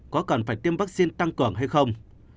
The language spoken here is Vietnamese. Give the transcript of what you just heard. có cần phải tiêm vaccine tăng cường hay không